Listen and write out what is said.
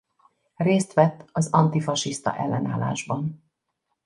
Részt vett az antifasiszta ellenállásban.